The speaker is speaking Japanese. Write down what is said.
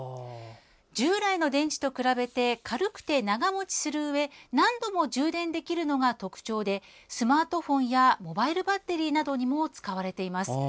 従来の電池と比べて軽くて長持ちするうえ何度も充電できるのが特徴でスマートフォンやモバイルバッテリーなどにも使われています。